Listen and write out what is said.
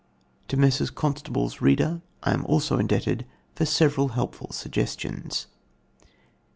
To Messrs. Constable's reader I am also indebted for several helpful suggestions.